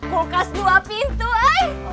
kulkas dua pintu eh